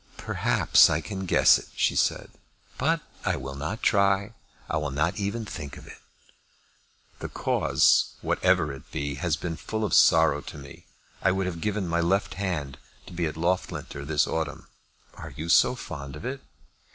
"Perhaps I can guess it," she said. "But I will not try. I will not even think of it." "The cause, whatever it be, has been full of sorrow to me. I would have given my left hand to have been at Loughlinter this autumn." "Are you so fond of it?"